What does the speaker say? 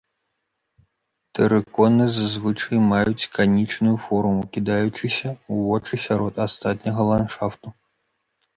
Тэрыконы зазвычай маюць канічную форму, кідаючыся ў вочы сярод астатняга ландшафту.